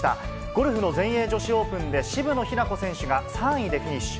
ゴルフの全英女子オープンで、渋野日向子選手が３位でフィニッシュ。